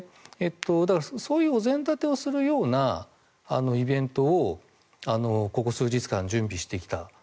そういうお膳立てをするようなイベントをここ数日間準備してきた。